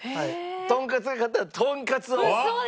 とんかつが勝ったらとんかつを！